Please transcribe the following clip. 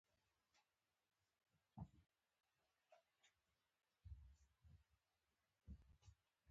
څیړنیز مرکزونه فعال دي.